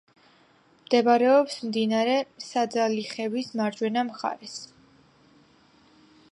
მდებარეობს მდინარე საძალიხევის მარჯვენა მხარეს.